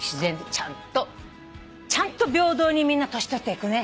ちゃんと平等にみんな年取っていくね。